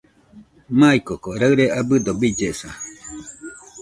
Maikoko raɨre abɨdo billesa